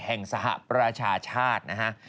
แห่งสหประชาชาติ